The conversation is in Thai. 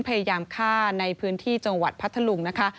พยายามฆ่าในพื้นที่จังหวัดพัทธลุงนะคะ